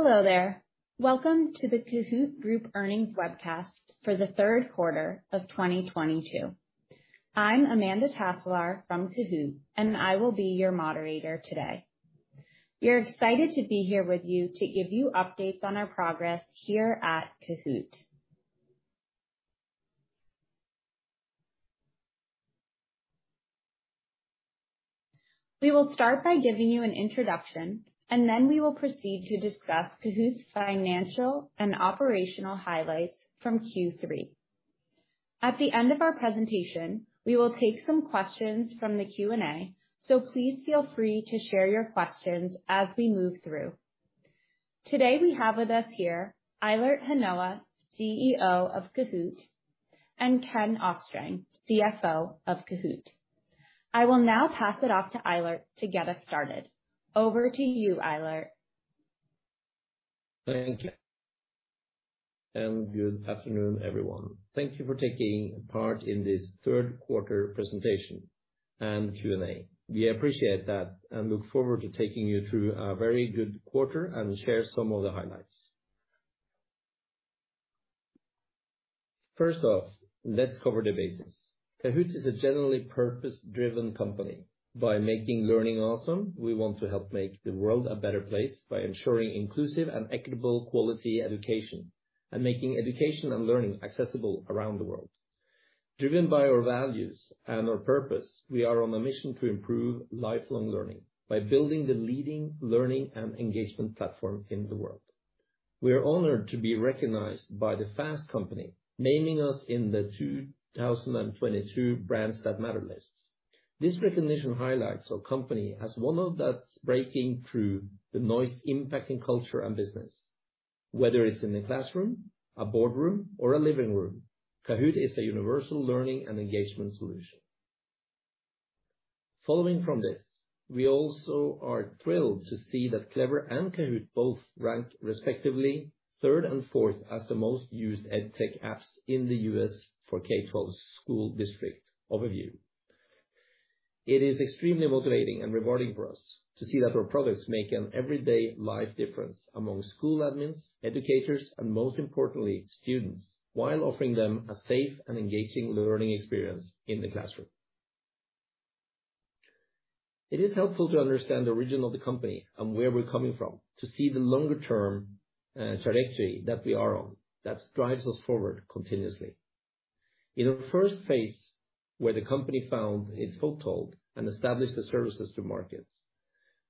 Hello there. Welcome to the Kahoot! Group earnings webcast for the third quarter of 2022. I'm Amanda Taselaar from Kahoot!, and I will be your moderator today. We are excited to be here with you to give you updates on our progress here at Kahoot!. We will start by giving you an introduction, and then we will proceed to discuss Kahoot!'s financial and operational highlights from Q3. At the end of our presentation, we will take some questions from the Q&A, so please feel free to share your questions as we move through. Today we have with us here Eilert Hanoa, CEO of Kahoot!, and Ken Østreng, CFO of Kahoot!. I will now pass it off to Eilert to get us started. Over to you, Eilert. Thank you, and good afternoon, everyone. Thank you for taking part in this third quarter presentation and Q&A. We appreciate that and look forward to taking you through a very good quarter and share some of the highlights. First off, let's cover the basics. Kahoot! is a genuinely purpose-driven company. By making learning awesome, we want to help make the world a better place by ensuring inclusive and equitable quality education and making education and learning accessible around the world. Driven by our values and our purpose, we are on a mission to improve lifelong learning by building the leading learning and engagement platform in the world. We are honored to be recognized by the Fast Company, naming us in the 2022 Brands That Matter list. This recognition highlights our company as one that's breaking through the noise impacting culture and business. Whether it's in a classroom, a boardroom, or a living room, Kahoot! is a universal learning and engagement solution. Following from this, we also are thrilled to see that Clever and Kahoot! both ranked respectively third and fourth as the most used EdTech apps in the U.S. for K-12 school district overview. It is extremely motivating and rewarding for us to see that our products make an everyday life difference among school admins, educators, and most importantly, students, while offering them a safe and engaging learning experience in the classroom. It is helpful to understand the origin of the company and where we're coming from to see the longer-term trajectory that we are on that drives us forward continuously. In our first phase, where the company found its foothold and established the services to markets,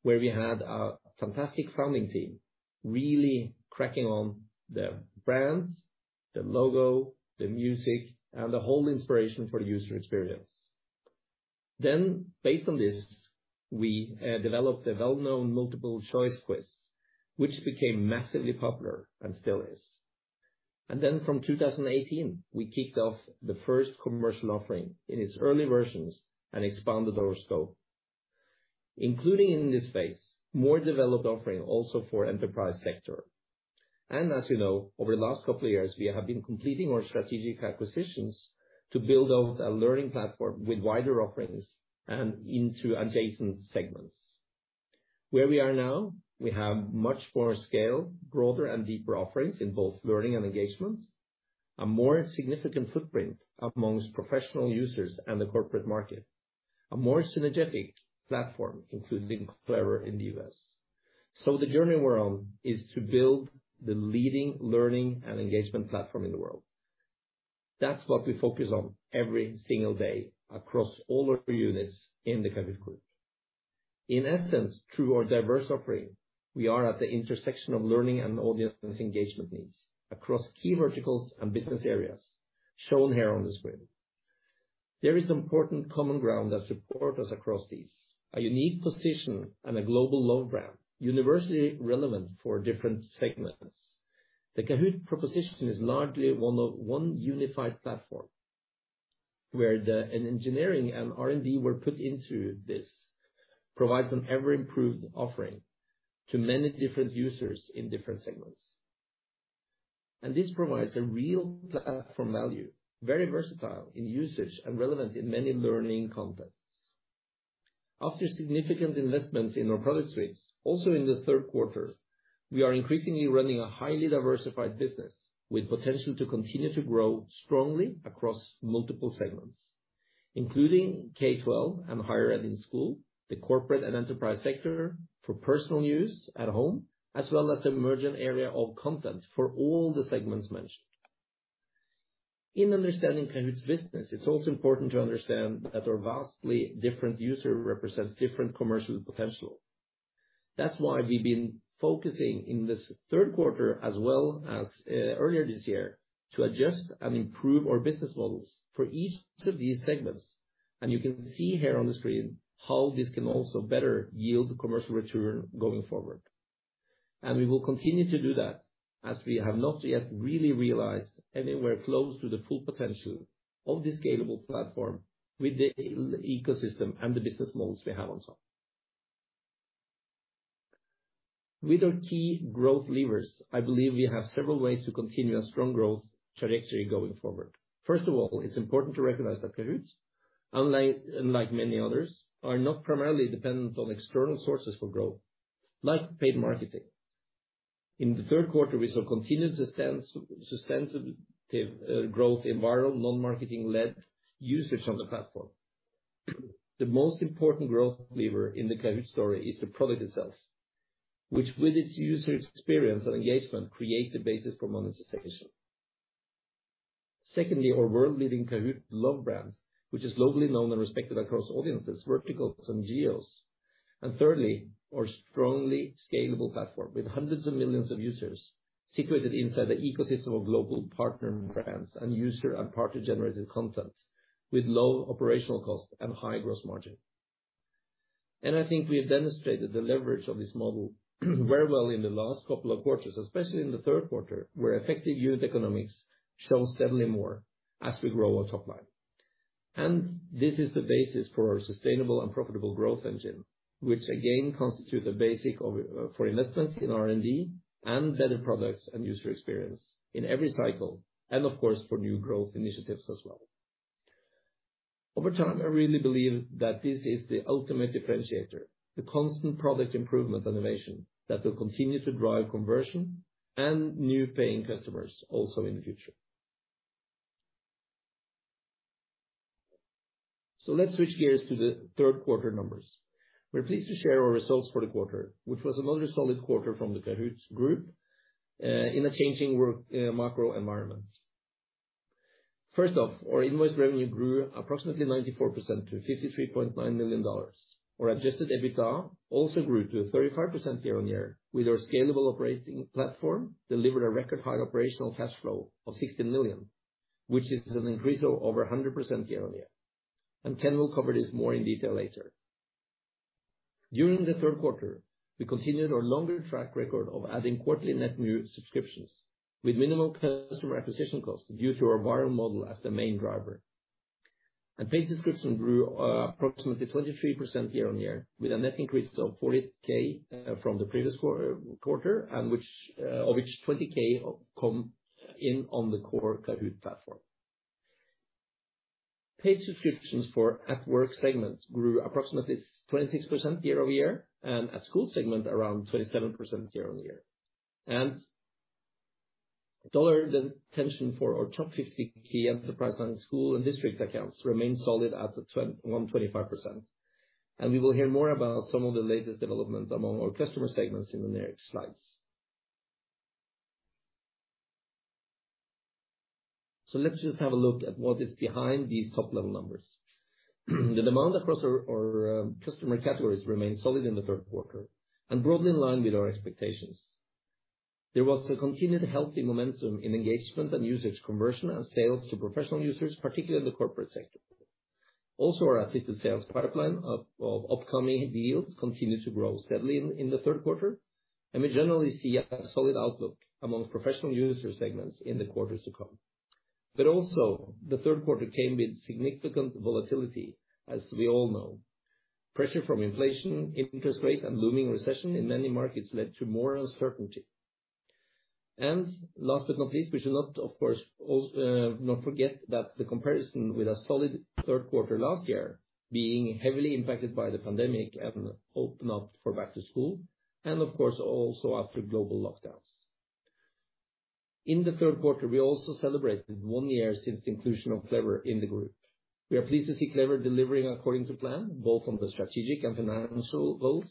where we had a fantastic founding team really cracking on the brands, the logo, the music, and the whole inspiration for user experience. Based on this, we developed the well-known multiple choice quiz, which became massively popular and still is. From 2018, we kicked off the first commercial offering in its early versions and expanded our scope, including in this space, more developed offering also for enterprise sector. As you know, over the last couple of years, we have been completing our strategic acquisitions to build out a learning platform with wider offerings and into adjacent segments. Where we are now, we have much more scale, broader and deeper offerings in both learning and engagement, a more significant footprint among professional users and the corporate market, a more synergetic platform, including Clever in the U.S. The journey we're on is to build the leading learning and engagement platform in the world. That's what we focus on every single day across all our units in the Kahoot! Group. In essence, through our diverse offering, we are at the intersection of learning and audience engagement needs across key verticals and business areas shown here on the screen. There is important common ground that support us across these, a unique position and a global low ground, universally relevant for different segments. The Kahoot! proposition is largely one of one unified platform, where the. An engineering and R&D were put into this, provides an ever-improved offering to many different users in different segments. This provides a real platform value, very versatile in usage and relevant in many learning contexts. After significant investments in our product suites, also in the third quarter, we are increasingly running a highly diversified business with potential to continue to grow strongly across multiple segments, including K-12 and higher ed in school, the corporate and enterprise sector for personal use at home, as well as the emergent area of content for all the segments mentioned. In understanding Kahoot!'s business, it's also important to understand that our vastly different user represents different commercial potential. That's why we've been focusing in this third quarter as well as earlier this year to adjust and improve our business models for each of these segments. You can see here on the screen how this can also better yield commercial return going forward. We will continue to do that as we have not yet really realized anywhere close to the full potential of this scalable platform with the ecosystem and the business models we have on top. With our key growth levers, I believe we have several ways to continue a strong growth trajectory going forward. First of all, it's important to recognize that Kahoot!, unlike many others, are not primarily dependent on external sources for growth, like paid marketing. In the third quarter, we saw continued sustainable growth environment, non-marketing-led usage on the platform. The most important growth lever in the Kahoot! story is the product itself, which with its user experience and engagement, create the basis for monetization. Secondly, our world-leading Kahoot! love brand, which is globally known and respected across audiences, verticals and geos. Thirdly, our strongly scalable platform with hundreds of millions of users situated inside the ecosystem of global partner brands and user and partner-generated content with low operational costs and high gross margin. I think we have demonstrated the leverage of this model very well in the last couple of quarters, especially in the third quarter, where effective unit economics scale steadily more as we grow our top line. This is the basis for our sustainable and profitable growth engine. This again constitutes a basis for investments in R&D and better products and user experience in every cycle and of course, for new growth initiatives as well. Over time, I really believe that this is the ultimate differentiator, the constant product improvement and innovation that will continue to drive conversion and new paying customers also in the future. Let's switch gears to the third quarter numbers. We're pleased to share our results for the quarter, which was another solid quarter from the Kahoot! Group in a changing world macro environment. First off, our invoice revenue grew approximately 94% to $53.9 million. Our adjusted EBITDA also grew to 35% year-on-year, with our scalable operating platform delivered a record high operational cash flow of $16 million, which is an increase of over 100% year-on-year. Ken will cover this more in detail later. During the third quarter, we continued our longer track record of adding quarterly net new subscriptions with minimal customer acquisition costs due to our viral model as the main driver. Paid subscriptions grew approximately 23% year-over-year, with a net increase of 40K from the previous quarter, of which 20K come in on the core Kahoot! platform. Paid subscriptions for Kahoot! at Work segments grew approximately 26% year-over-year, and Kahoot! at School segment around 27% year-over-year. Dollar retention for our top 50 key enterprise and school and district accounts remains solid at 1.5%. We will hear more about some of the latest development among our customer segments in the next slides. Let's just have a look at what is behind these top-level numbers. The demand across our customer categories remains solid in the third quarter and broadly in line with our expectations. There was a continued healthy momentum in engagement and usage conversion and sales to professional users, particularly in the corporate sector. Also, our assisted sales pipeline of upcoming deals continued to grow steadily in the third quarter, and we generally see a solid outlook among professional user segments in the quarters to come. The third quarter came with significant volatility, as we all know. Pressure from inflation, interest rates, and looming recession in many markets led to more uncertainty. Last but not least, we should, of course, also not forget that the comparison with a solid third quarter last year being heavily impacted by the pandemic and opening up for back to school, and of course, also after global lockdowns. In the third quarter, we also celebrated one year since the inclusion of Clever in the group. We are pleased to see Clever delivering according to plan, both on the strategic and financial goals,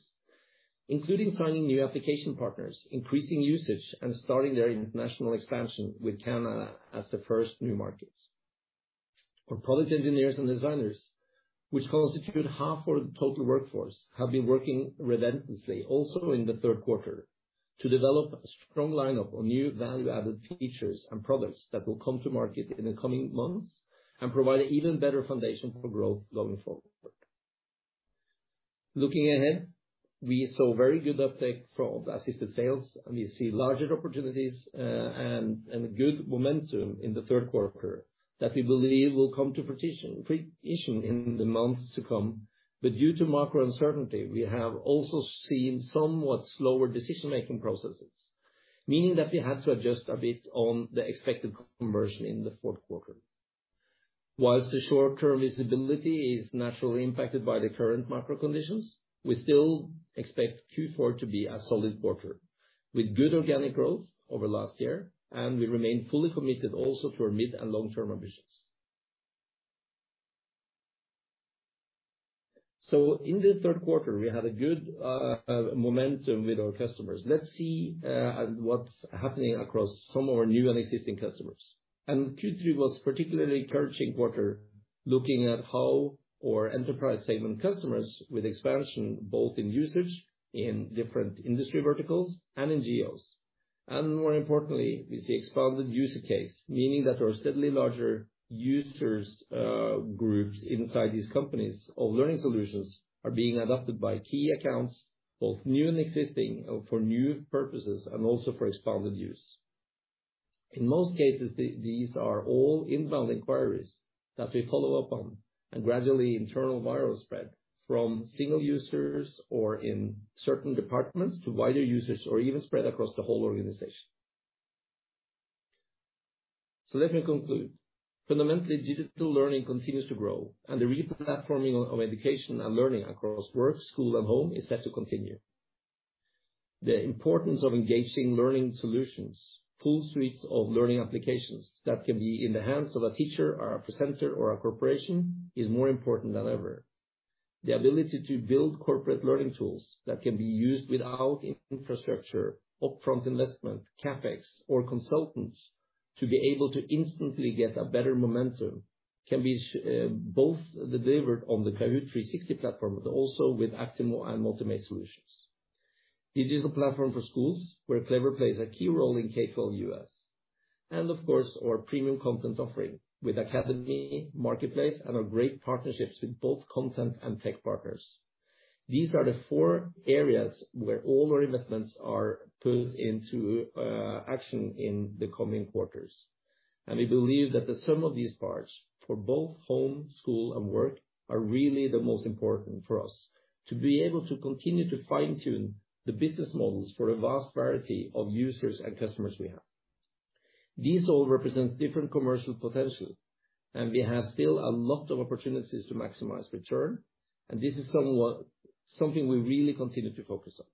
including signing new application partners, increasing usage and starting their international expansion with Canada as the first new market. Our product engineers and designers, which constitute half our total workforce, have been working relentlessly, also in the third quarter, to develop a strong lineup of new value-added features and products that will come to market in the coming months and provide an even better foundation for growth going forward. Looking ahead, we saw very good uptake from the assisted sales, and we see larger opportunities and good momentum in the third quarter that we believe will come to fruition in the months to come. Due to macro uncertainty, we have also seen somewhat slower decision-making processes, meaning that we had to adjust a bit on the expected conversion in the fourth quarter. While the short-term visibility is naturally impacted by the current macro conditions, we still expect Q4 to be a solid quarter with good organic growth over last year, and we remain fully committed also to our mid and long-term ambitions. In this third quarter, we had a good momentum with our customers. Let's see what's happening across some of our new and existing customers. Q3 was particularly encouraging quarter looking at how our enterprise segment customers with expansion, both in usage in different industry verticals and in geos. More importantly is the expanded user case, meaning that our steadily larger users, groups inside these companies or learning solutions are being adopted by key accounts, both new and existing, for new purposes and also for expanded use. In most cases, these are all inbound inquiries that we follow up on and gradually internal viral spread from single users or in certain departments to wider users or even spread across the whole organization. Let me conclude. Fundamentally, digital learning continues to grow and the re-platforming of education and learning across work, school, and home is set to continue. The importance of engaging learning solutions, full suites of learning applications that can be in the hands of a teacher or a presenter or a corporation, is more important than ever. The ability to build corporate learning tools that can be used without infrastructure, upfront investment, CapEx or consultants, to be able to instantly get a better momentum can be both delivered on the Kahoot! 360 platform, but also with Actimo and Motimate solutions. Digital platform for schools, where Clever plays a key role in K-12 U.S. Of course, our premium content offering with Academy Marketplace and our great partnerships with both content and tech partners. These are the four areas where all our investments are put into action in the coming quarters. We believe that the sum of these parts for both home, school, and work are really the most important for us to be able to continue to fine-tune the business models for a vast variety of users and customers we have. These all represent different commercial potential, and we have still a lot of opportunities to maximize return, and this is something we really continue to focus on.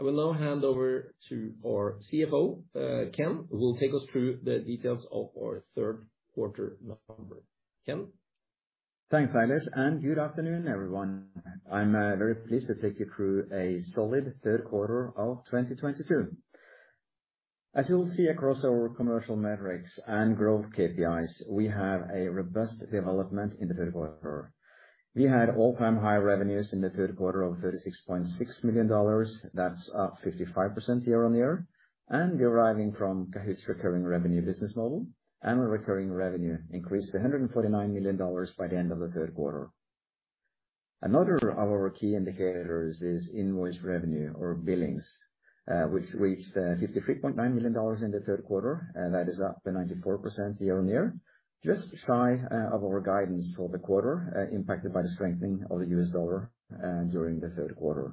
I will now hand over to our CFO, Ken, who will take us through the details of our third quarter numbers. Ken? Thanks, Eilert, and good afternoon, everyone. I'm very pleased to take you through a solid third quarter of 2022. As you'll see across our commercial metrics and growth KPIs, we have a robust development in the third quarter. We had all-time high revenues in the third quarter of $36.6 million. That's up 55% year-on-year, and deriving from Kahoot!'s recurring revenue business model, and recurring revenue increased to $149 million by the end of the third quarter. Another of our key indicators is invoice revenue or billings, which reached $53.9 million in the third quarter, and that is up 94% year-on-year, just shy of our guidance for the quarter, impacted by the strengthening of the U.S. dollar during the third quarter.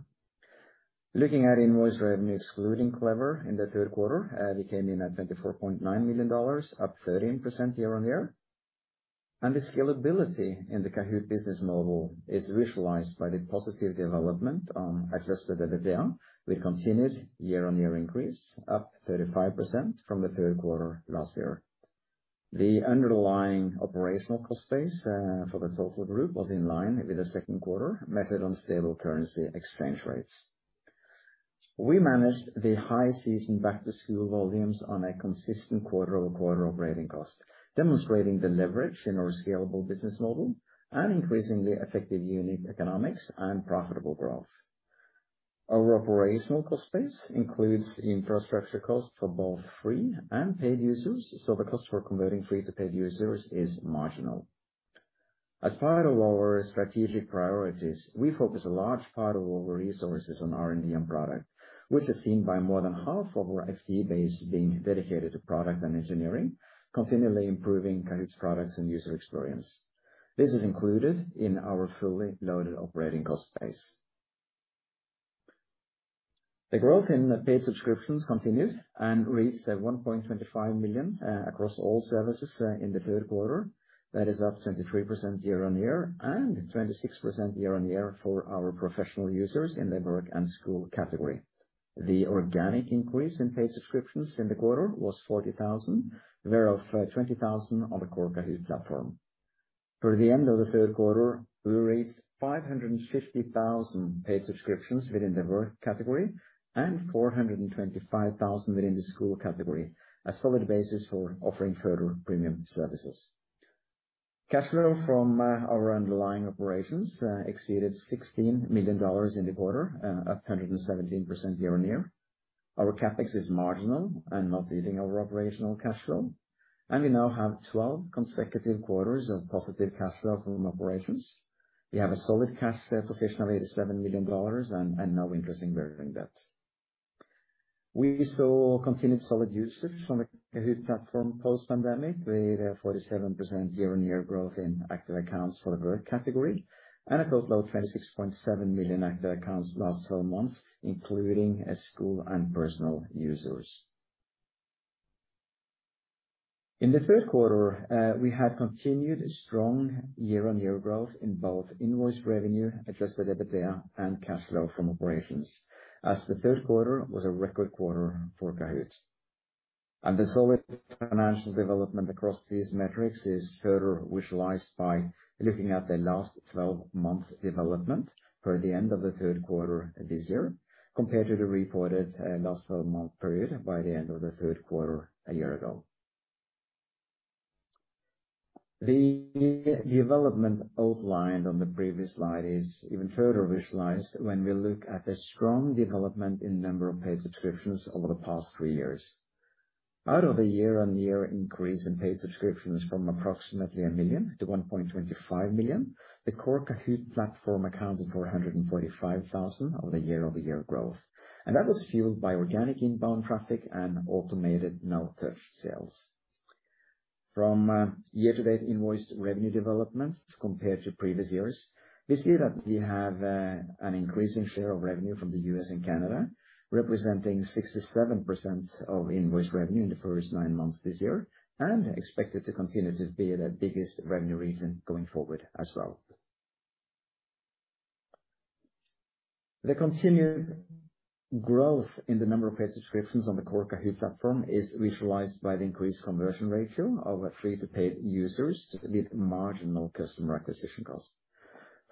Looking at invoice revenue excluding Clever in the third quarter, we came in at $24.9 million, up 13% year-on-year. The scalability in the Kahoot! business model is visualized by the positive development on adjusted EBITDA with continued year-on-year increase, up 35% from the third quarter last year. The underlying operational cost base, for the total group was in line with the second quarter, measured on stable currency exchange rates. We managed the high season back to school volumes on a consistent quarter-over-quarter operating cost, demonstrating the leverage in our scalable business model and increasingly effective unique economics and profitable growth. Our operational cost base includes infrastructure costs for both free and paid users, so the cost for converting free to paid users is marginal. As part of our strategic priorities, we focus a large part of our resources on R&D and product, which is seen by more than half of our FTE base being dedicated to product and engineering, continually improving Kahoot!'s products and user experience. This is included in our fully loaded operating cost base. The growth in paid subscriptions continued and reached 1.25 million across all services in the third quarter. That is up 23% year-on-year and 26% year-on-year for our professional users in the work and school category. The organic increase in paid subscriptions in the quarter was 40,000, thereof 20,000 on the core Kahoot! platform. For the end of the third quarter, we reached 550,000 paid subscriptions within the work category and 425,000 within the school category, a solid basis for offering further premium services. Cash flow from our underlying operations exceeded $16 million in the quarter, up 117% year-on-year. Our CapEx is marginal and not eating our operational cash flow, and we now have 12 consecutive quarters of positive cash flow from operations. We have a solid cash position of $87 million and no interest in bearing debt. We saw continued solid usage from the Kahoot! platform post-pandemic, with a 47% year-on-year growth in active accounts for the work category and a total of 26.7 million active accounts last twelve months, including school and personal users. In the third quarter, we had continued strong year-on-year growth in both invoiced revenue, adjusted EBITDA, and cash flow from operations, as the third quarter was a record quarter for Kahoot!. The solid financial development across these metrics is further visualized by looking at the last twelve months development for the end of the third quarter this year, compared to the reported last twelve month period by the end of the third quarter a year ago. The development outlined on the previous slide is even further visualized when we look at the strong development in number of paid subscriptions over the past three years. Out of the year-on-year increase in paid subscriptions from approximately 1 million to 1.25 million, the core Kahoot! platform accounted for 145,000 of the year-over-year growth. That was fueled by organic inbound traffic and automated no-touch sales. From year-to-date invoiced revenue developments compared to previous years, we see that we have an increasing share of revenue from the U.S. and Canada, representing 67% of invoiced revenue in the first nine months this year, and expected to continue to be the biggest revenue region going forward as well. The continued growth in the number of paid subscriptions on the core Kahoot! platform is visualized by the increased conversion ratio of free to paid users to meet marginal customer acquisition costs.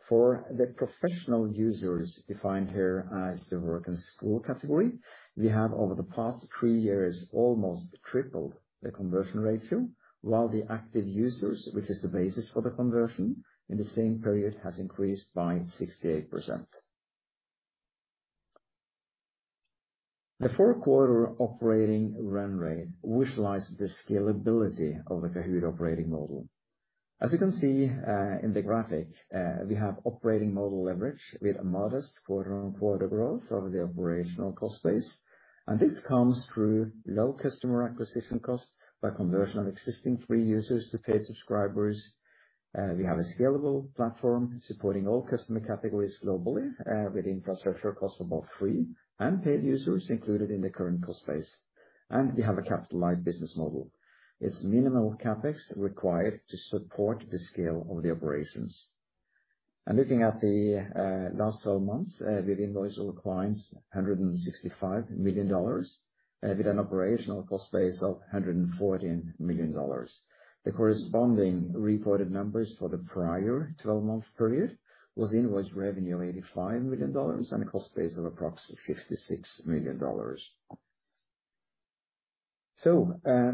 For the professional users defined here as the work and school category, we have, over the past three years, almost tripled the conversion ratio, while the active users, which is the basis for the conversion in the same period, has increased by 68%. The fourth quarter operating run rate visualizes the scalability of the Kahoot! operating model. As you can see, in the graphic, we have operating model leverage with a modest quarter-on-quarter growth over the operational cost base. This comes through low customer acquisition costs by conversion of existing free users to paid subscribers. We have a scalable platform supporting all customer categories globally, with infrastructure costs for both free and paid users included in the current cost base. We have a capital light business model. It's minimal CapEx required to support the scale of the operations. Looking at the last 12 months, we've invoiced our clients $165 million with an operational cost base of $114 million. The corresponding reported numbers for the prior twelve-month period was invoiced revenue of $85 million and a cost base of approximately $56 million.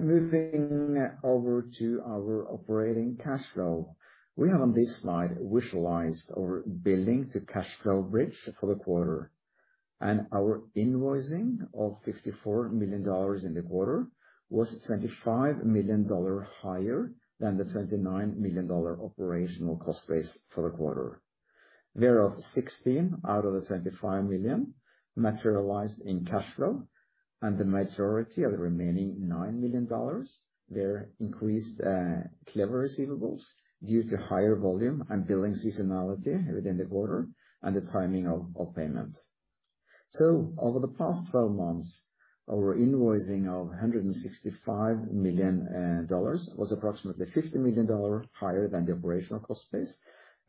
Moving over to our operating cash flow. We have on this slide visualized our billing to cash flow bridge for the quarter. Our invoicing of $54 million in the quarter was $25 million higher than the $29 million operational cost base for the quarter. Whereof 16 out of the $25 million materialized in cash flow and the majority of the remaining $9 million, the increased Clever receivables due to higher volume and billing seasonality within the quarter and the timing of payments. Over the past 12 months, our invoicing of $165 million was approximately $50 million higher than the operational cost base,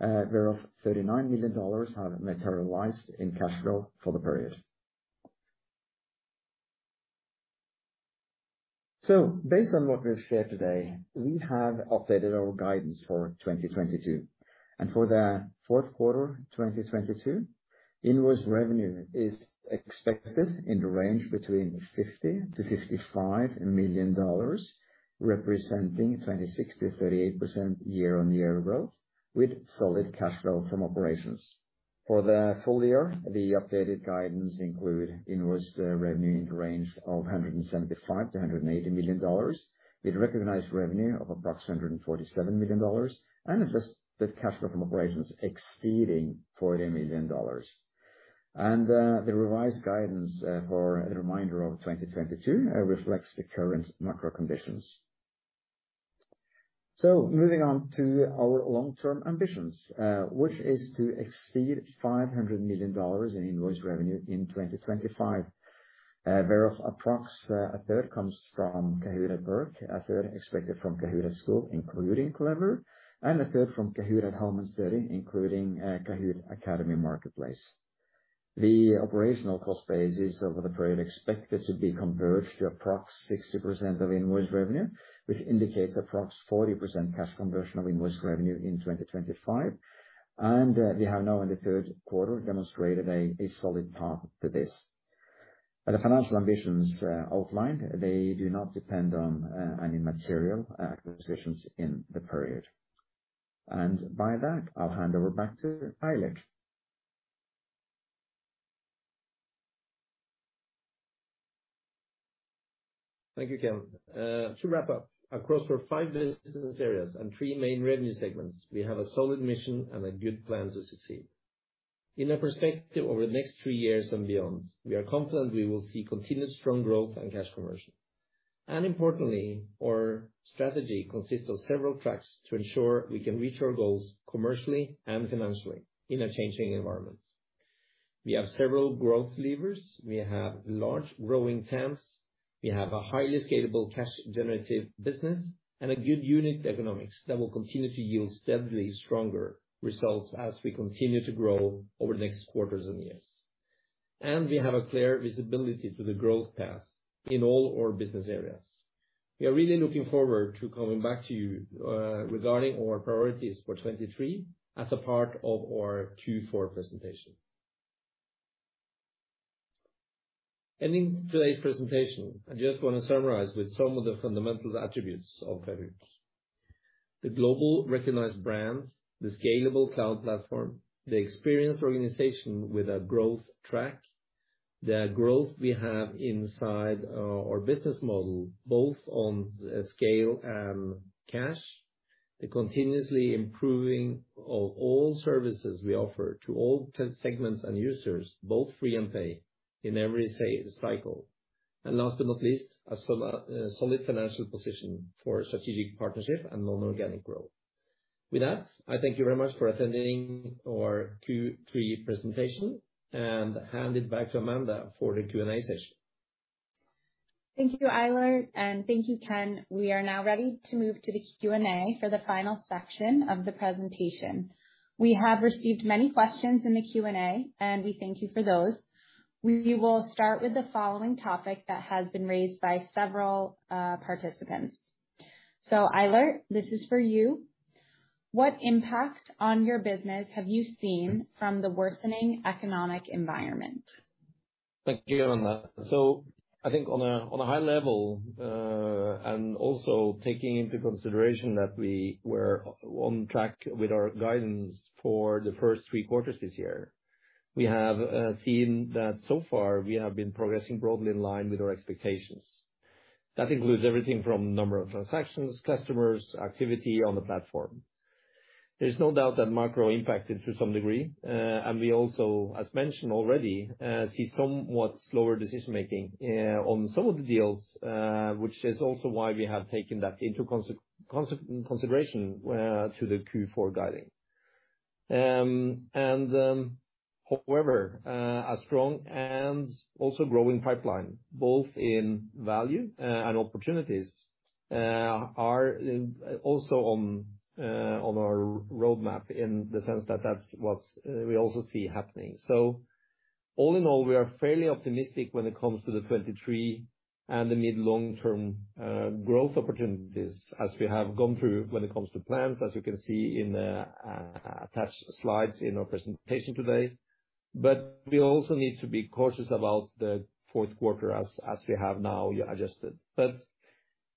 whereof $39 million have materialized in cash flow for the period. Based on what we've shared today, we have updated our guidance for 2022. For the fourth quarter 2022, invoice revenue is expected in the range between $50-$55 million, representing 26%-38% year-on-year growth with solid cash flow from operations. For the full year, the updated guidance include invoiced revenue in the range of $175-$180 million, with recognized revenue of approximately $147 million, and adjusted cash flow from operations exceeding $40 million. The revised guidance for the remainder of 2022 reflects the current macro conditions. Moving on to our long-term ambitions, which is to exceed $500 million in invoiced revenue in 2025. Whereof approx a third comes from Kahoot! at Work, a third expected from Kahoot! at School, including Clever, and a third from Kahoot! at Home and Study, including Kahoot! Academy Marketplace. The operational cost base is over the period expected to be converged to approx 60% of invoiced revenue, which indicates approx 40% cash conversion of invoiced revenue in 2025. We have now in the third quarter demonstrated a solid path to this. The financial ambitions outlined, they do not depend on any material acquisitions in the period. By that, I'll hand over back to Eilert. Thank you, Ken. To wrap up, across our five business areas and three main revenue segments, we have a solid mission and a good plan to succeed. In our perspective over the next three years and beyond, we are confident we will see continued strong growth and cash conversion. Importantly, our strategy consists of several tracks to ensure we can reach our goals commercially and financially in a changing environment. We have several growth levers. We have large growing TAMs. We have a highly scalable cash generative business and a good unit economics that will continue to yield steadily stronger results as we continue to grow over the next quarters and years. We have a clear visibility to the growth path in all our business areas. We are really looking forward to coming back to you regarding our priorities for 2023 as a part of our Q4 presentation. Ending today's presentation, I just wanna summarize with some of the fundamental attributes of Kahoot!. The global recognized brand, the scalable cloud platform, the experienced organization with a growth track, the growth we have inside our business model, both on scale and cash. The continuously improving of all services we offer to all segments and users, both free and pay, in every sale cycle. Last but not least, a solid financial position for strategic partnership and non-organic growth. With that, I thank you very much for attending our Q3 presentation, and hand it back to Amanda for the Q&A session. Thank you, Eilert, and thank you, Ken. We are now ready to move to the Q&A for the final section of the presentation. We have received many questions in the Q&A, and we thank you for those. We will start with the following topic that has been raised by several participants. Eilert, this is for you. What impact on your business have you seen from the worsening economic environment? Thank you, Amanda. I think on a high level, and also taking into consideration that we were on track with our guidance for the first three quarters this year, we have seen that so far we have been progressing broadly in line with our expectations. That includes everything from number of transactions, customers, activity on the platform. There's no doubt that macro impacted to some degree. We also, as mentioned already, see somewhat slower decision-making on some of the deals, which is also why we have taken that into consideration to the Q4 guidance. However, a strong and also growing pipeline, both in value and opportunities, are also on our roadmap in the sense that that's what we also see happening. All in all, we are fairly optimistic when it comes to 2023 and the mid, long-term growth opportunities as we have gone through when it comes to plans, as you can see in the attached slides in our presentation today. We also need to be cautious about the fourth quarter as we have now adjusted.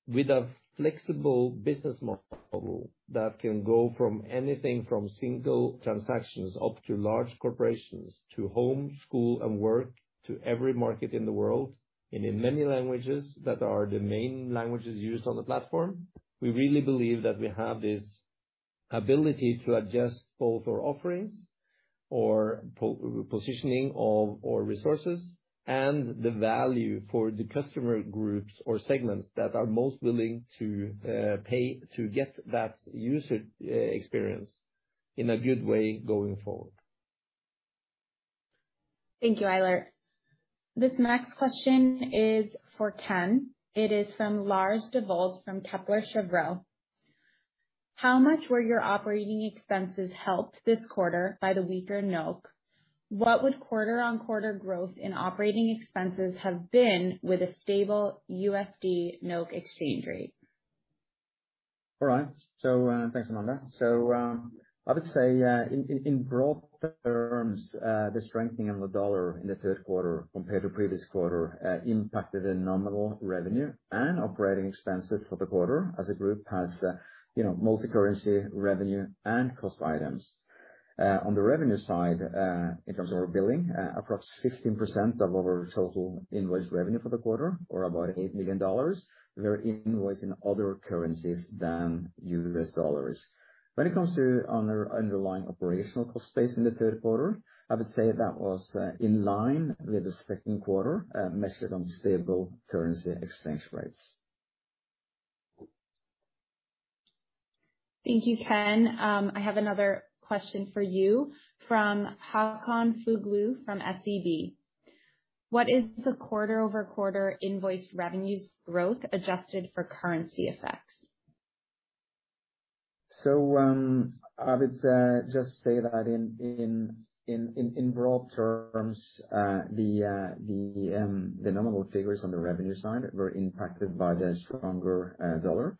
With a flexible business model that can go from anything from single transactions up to large corporations, to home, school, and work, to every market in the world, and in many languages that are the main languages used on the platform, we really believe that we have this ability to adjust both our offerings or positioning of our resources and the value for the customer groups or segments that are most willing to pay to get that user experience in a good way going forward. Thank you, Eilert. This next question is for Ken. It is from Lars Devold from Kepler Cheuvreux. How much were your operating expenses helped this quarter by the weaker NOK? What would quarter-on-quarter growth in operating expenses have been with a stable USD NOK exchange rate? All right. Thanks, Amanda. I would say, in broad terms, the strengthening of the dollar in the third quarter compared to previous quarter impacted the nominal revenue and operating expenses for the quarter as the group has, you know, multicurrency revenue and cost items. On the revenue side, in terms of our billing, approximately 15% of our total invoiced revenue for the quarter or about $8 million were invoiced in other currencies than U.S. dollars. When it comes to underlying operational cost base in the third quarter, I would say that was in line with the second quarter, measured on stable currency exchange rates. Thank you, Ken. I have another question for you from Håkon Fuglu from SEB. What is the quarter-over-quarter invoice revenues growth adjusted for currency effects? I would say, just say that in broad terms, the nominal figures on the revenue side were impacted by the stronger dollar.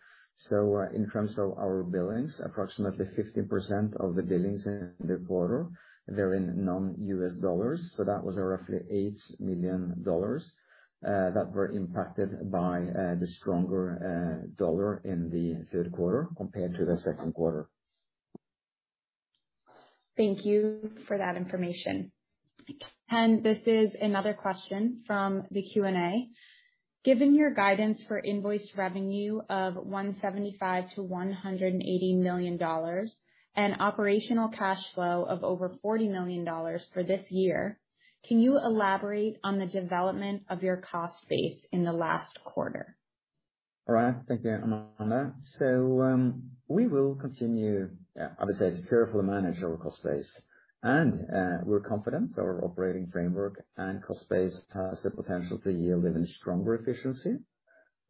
In terms of our billings, approximately 50% of the billings in the quarter, they're in non-U.S. dollars. That was roughly $8 million that were impacted by the stronger dollar in the third quarter compared to the second quarter. Thank you for that information. Ken, this is another question from the Q&A. Given your guidance for invoice revenue of $175-$180 million and operational cash flow of over $40 million for this year, can you elaborate on the development of your cost base in the last quarter? All right. Thank you, Amanda. We will continue, I would say to carefully manage our cost base. We're confident our operating framework and cost base has the potential to yield even stronger efficiency.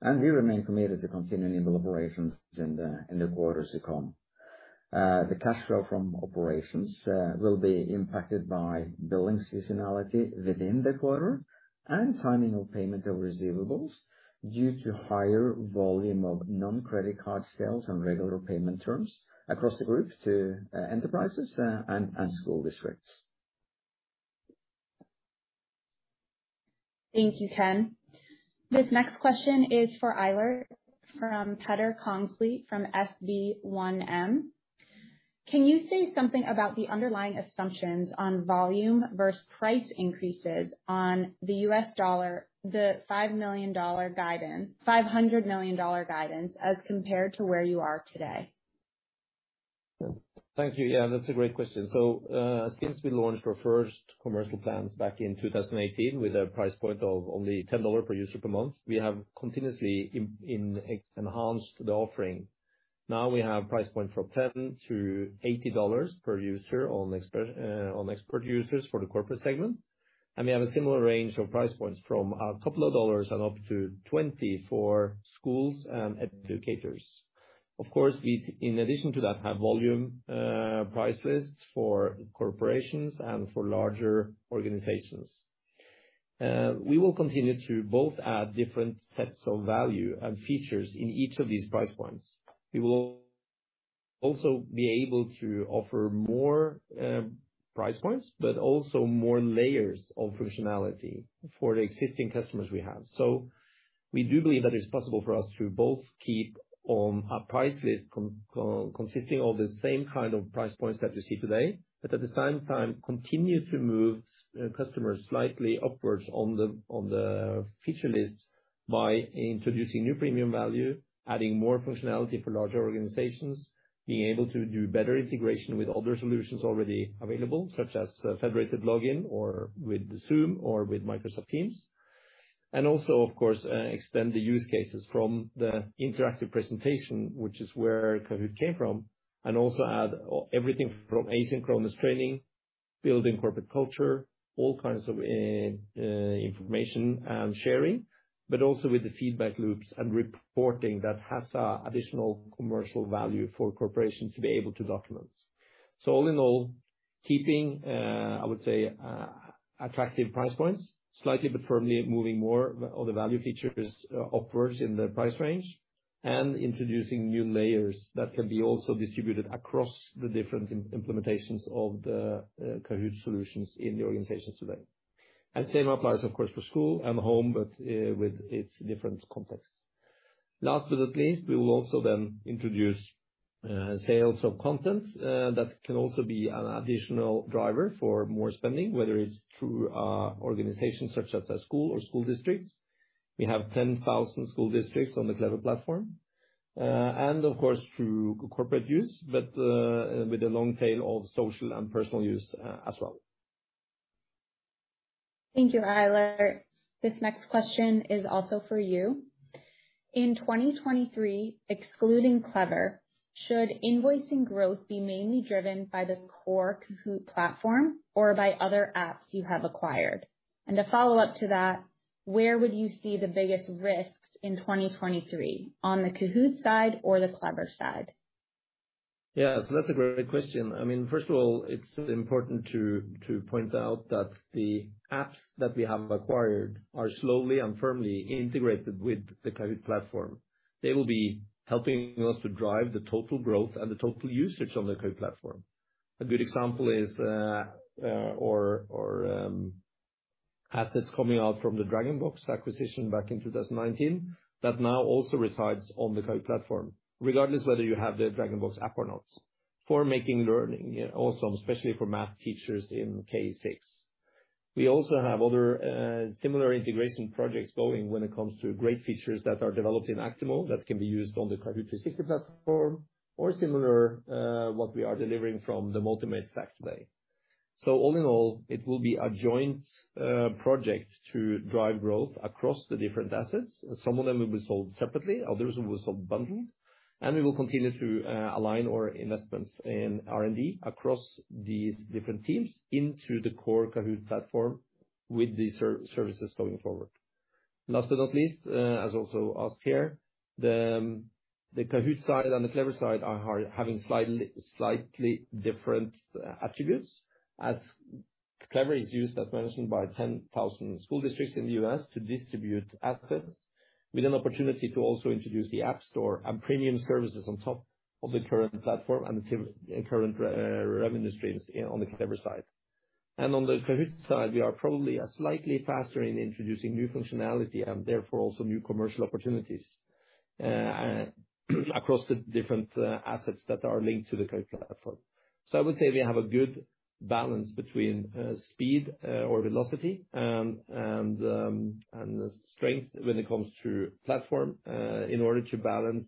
We remain committed to continuing the collaborations in the quarters to come. The cash flow from operations will be impacted by billing seasonality within the quarter and timing of payment of receivables due to higher volume of non-credit card sales on regular payment terms across the group to enterprises and school districts. Thank you, Ken. This next question is for Eilert from Petter Kongslie from SB1M. Can you say something about the underlying assumptions on volume versus price increases in USD, the $500 million guidance as compared to where you are today? Thank you. Yeah, that's a great question. Since we launched our first commercial plans back in 2018 with a price point of only $10 per user per month, we have continuously enhanced the offering. Now we have price point from $10-$80 per user on expert users for the corporate segment. We have a similar range of price points from a couple of dollars and up to $20 for schools and educators. Of course, we, in addition to that, have volume price lists for corporations and for larger organizations. We will continue to both add different sets of value and features in each of these price points. We will also be able to offer more price points, but also more layers of functionality for the existing customers we have. We do believe that it's possible for us to both keep on a price list consisting of the same kind of price points that you see today, but at the same time continue to move customers slightly upwards on the feature list by introducing new premium value, adding more functionality for larger organizations, being able to do better integration with other solutions already available, such as Federated Login or with Zoom or with Microsoft Teams. Also, of course, extend the use cases from the interactive presentation, which is where Kahoot! came from, and also add everything from asynchronous training, building corporate culture, all kinds of information and sharing, but also with the feedback loops and reporting that has additional commercial value for corporations to be able to document. All in all, keeping, I would say, attractive price points, slightly but firmly moving more of the value features upwards in the price range and introducing new layers that can be also distributed across the different implementations of the, Kahoot! solutions in the organizations today. Same applies of course, for school and home, but, with its different contexts. Last but not least, we will also then introduce, sales of content, that can also be an additional driver for more spending, whether it's through, organizations such as a school or school districts. We have 10,000 school districts on the Clever platform, and of course through corporate use, but, with a long tail of social and personal use, as well. Thank you, Eilert. This next question is also for you. In 2023, excluding Clever, should invoicing growth be mainly driven by the core Kahoot! platform or by other apps you have acquired? A follow-up to that, where would you see the biggest risks in 2023, on the Kahoot! side or the Clever side? Yeah. That's a great question. I mean, first of all, it's important to point out that the apps that we have acquired are slowly and firmly integrated with the Kahoot! platform. They will be helping us to drive the total growth and the total usage on the Kahoot! platform. A good example is assets coming out from the DragonBox acquisition back in 2019 that now also resides on the Kahoot! platform, regardless whether you have the DragonBox app or not, for making learning awesome, especially for math teachers in K-6. We also have other similar integration projects going when it comes to great features that are developed in Actimo that can be used on the Kahoot! 360 platform or similar what we are delivering from the Motimate stack today. All in all, it will be a joint project to drive growth across the different assets. Some of them will be sold separately, others will be sold bundled. We will continue to align our investments in R&D across these different teams into the core Kahoot! platform with these services going forward. Last but not least, as also asked here, the Kahoot! side and the Clever side are having slightly different attributes as Clever is used, as mentioned, by 10,000 school districts in the U.S. to distribute assets with an opportunity to also introduce the App Gallery and premium services on top of the current platform and current revenue streams on the Clever side. On the Kahoot! side, we are probably slightly faster in introducing new functionality and therefore also new commercial opportunities across the different assets that are linked to the Kahoot! platform. I would say we have a good balance between speed or velocity and the strength when it comes to platform in order to balance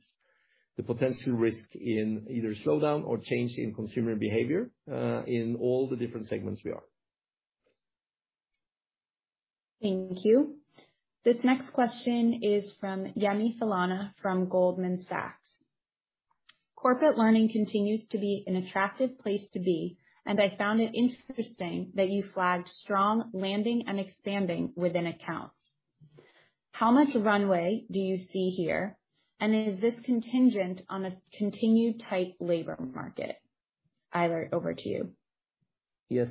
the potential risk in either slowdown or change in consumer behavior in all the different segments we are. Thank you. This next question is from Yiannis Solana from Goldman Sachs. Corporate learning continues to be an attractive place to be, and I found it interesting that you flagged strong landing and expanding within accounts. How much runway do you see here? Is this contingent on a continued tight labor market? Eilert, over to you. Yes.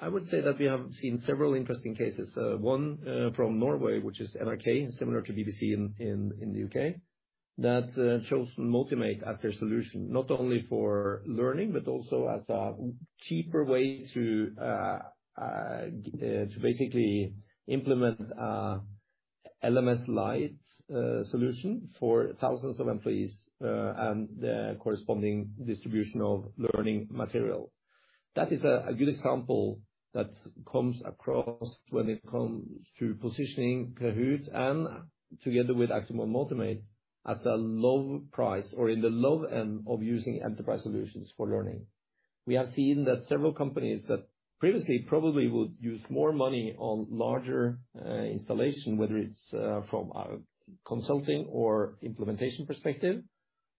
I would say that we have seen several interesting cases, one from Norway, which is NRK, similar to BBC in the U.K., that chose Motimate as their solution, not only for learning, but also as a cheaper way to basically implement LMS Lite solution for thousands of employees, and the corresponding distribution of learning material. That is a good example that comes across when it comes to positioning Kahoot! and together with Actimo and Motimate as a low price or in the low end of using enterprise solutions for learning. We have seen that several companies that previously probably would use more money on larger installation, whether it's from a consulting or implementation perspective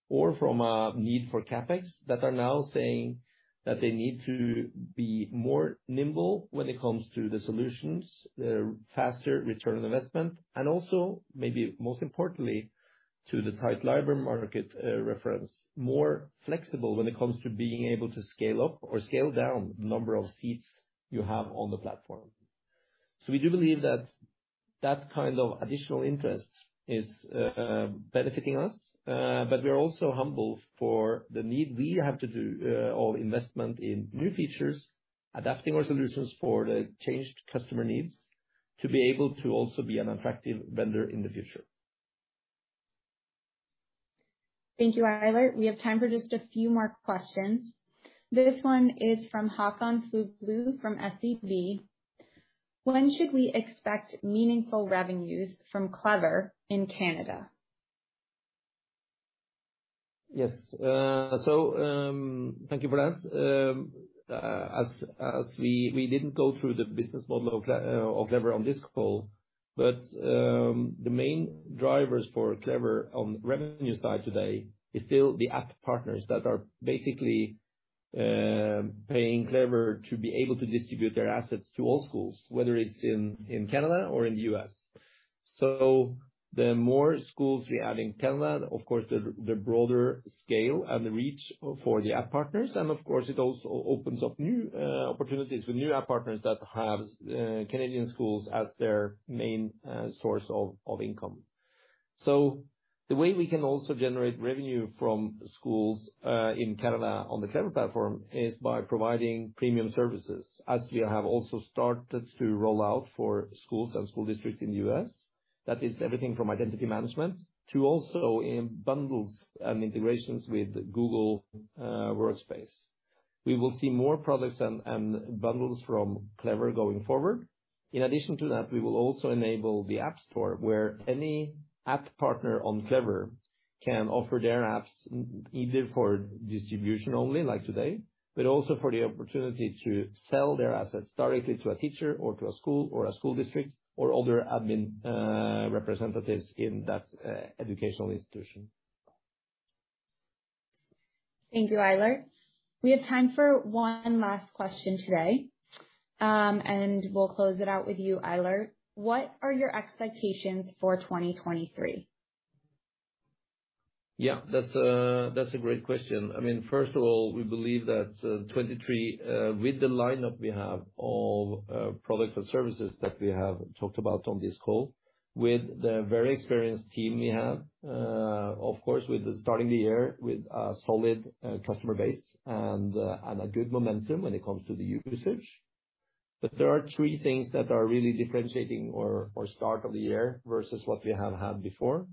or from a need for CapEx, that are now saying that they need to be more nimble when it comes to the solutions, the faster return on investment, and also maybe most importantly, to the tight labor market, more flexible when it comes to being able to scale up or scale down the number of seats you have on the platform. We do believe that kind of additional interest is benefiting us. We are also humbled for the need we have to do our investment in new features, adapting our solutions for the changed customer needs to be able to also be an attractive vendor in the future. Thank you, Eilert. We have time for just a few more questions. This one is from Håkon Fuglu from SEB. When should we expect meaningful revenues from Clever in Canada? Yes. Thank you for that. As we didn't go through the business model of Clever on this call, but the main drivers for Clever on the revenue side today is still the app partners that are basically paying Clever to be able to distribute their assets to all schools, whether it's in Canada or in the U.S. The more schools we add in Canada, of course, the broader scale and the reach for the app partners. Of course, it also opens up new opportunities for new app partners that have Canadian schools as their main source of income. The way we can also generate revenue from schools in Canada on the Clever platform is by providing premium services, as we have also started to roll out for schools and school districts in the U.S. That is everything from identity management to also in bundles and integrations with Google Workspace. We will see more products and bundles from Clever going forward. In addition to that, we will also enable the app store where any app partner on Clever can offer their apps either for distribution only like today, but also for the opportunity to sell their assets directly to a teacher or to a school or a school district or other admin representatives in that educational institution. Thank you, Eilert. We have time for one last question today. We'll close it out with you, Eilert. What are your expectations for 2023? Yeah, that's a great question. I mean, first of all, we believe that 2023, with the lineup we have of products and services that we have talked about on this call, with the very experienced team we have, of course, with starting the year with a solid customer base and a good momentum when it comes to the usage. There are three things that are really differentiating our start of the year versus what we have had before,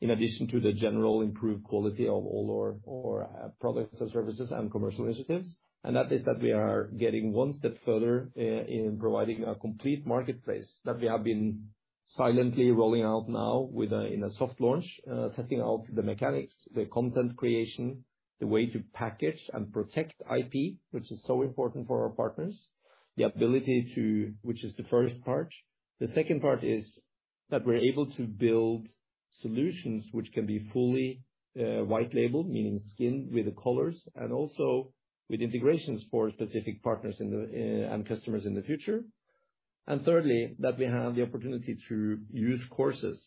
in addition to the general improved quality of all our products and services and commercial initiatives, and that is that we are getting one step further in providing a complete marketplace that we have been silently rolling out now in a soft launch. Testing out the mechanics, the content creation, the way to package and protect IP, which is so important for our partners. Which is the first part. The second part is that we're able to build solutions which can be fully, white label, meaning skin with the colors, and also with integrations for specific partners in the, and customers in the future. Thirdly, that we have the opportunity to use courses,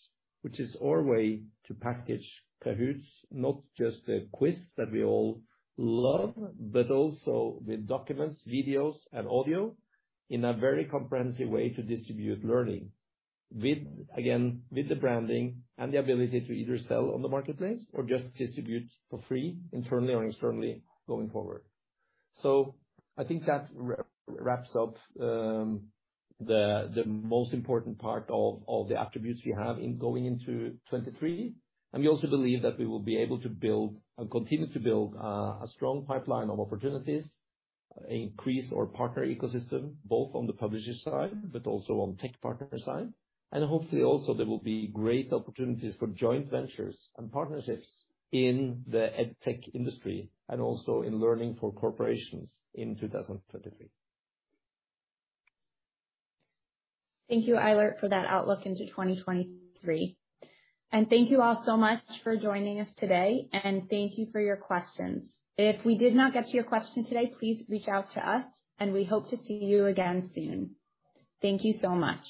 which is our way to package Kahoot! not just the quiz that we all love, but also with documents, videos, and audio in a very comprehensive way to distribute learning with, again, with the branding and the ability to either sell on the marketplace or just distribute for free internally or externally going forward. I think that wraps up the most important part of the attributes we have in going into 2023. We also believe that we will be able to build and continue to build a strong pipeline of opportunities, increase our partner ecosystem, both on the publisher side but also on tech partner side. Hopefully also there will be great opportunities for joint ventures and partnerships in the EdTech industry and also in learning for corporations in 2023. Thank you, Eilert, for that outlook into 2023. Thank you all so much for joining us today, and thank you for your questions. If we did not get to your question today, please reach out to us, and we hope to see you again soon. Thank you so much.